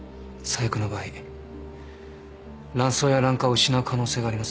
最悪の場合卵巣や卵管を失う可能性があります。